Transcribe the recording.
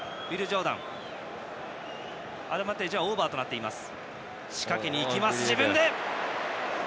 アドバンテージはオーバーとなっています。